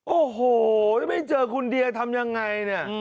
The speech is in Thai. โอ้โหไม่เจอคุณเดี๋ยวทำยังไง